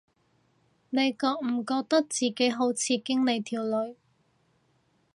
你覺唔覺得自己好似經理條女